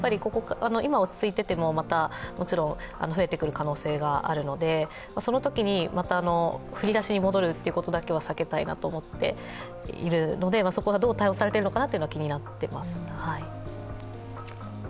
今落ち着いてても、もちろん増えてくる可能性があるのでそのときにまた振り出しに戻るということだけはさけたいなと思っているのでそこはどう対応されているのかなというのは気になっています。